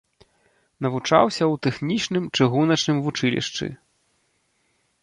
Навучаўся ў тэхнічным чыгуначным вучылішчы.